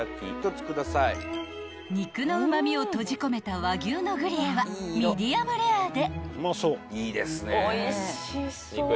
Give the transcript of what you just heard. ［肉のうま味を閉じ込めた和牛のグリエはミディアムレアで］